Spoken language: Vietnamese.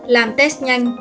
làm test nhanh